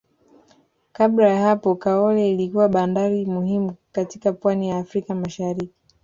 Kabla ya hapo Kaole ilikuwa bandari muhimu katika pwani ya Afrika Mashariki